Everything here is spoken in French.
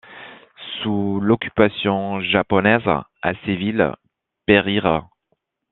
Sous l'occupation japonaise, à civils périrent.